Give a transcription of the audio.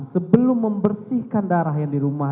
sebelum membersihkan darah yang di rumah